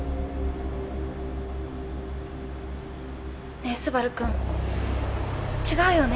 ねえ昴くん違うよね？